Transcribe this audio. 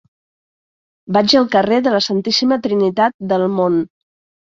Vaig al carrer de la Santíssima Trinitat del Mont.